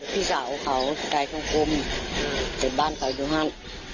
พี่สาวเขาชายทั้งกลมเออก็เจ็บบ้านเขาอยู่ดูหัน